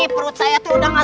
harus mahu jawab